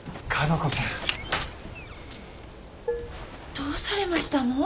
どうされましたの？